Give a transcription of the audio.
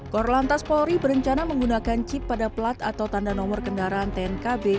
korlantas polri berencana menggunakan chip pada plat atau tanda nomor kendaraan tnkb